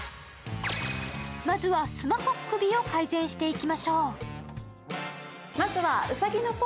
まずはスマホっ首を解消していきましょう。